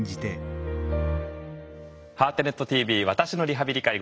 「ハートネットＴＶ私のリハビリ・介護」。